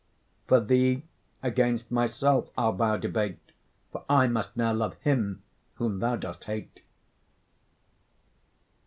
For thee, against my self I'll vow debate, For I must ne'er love him whom thou dost hate.